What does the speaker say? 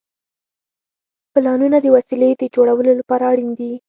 پلانونه د وسیلې د جوړولو لپاره اړین دي.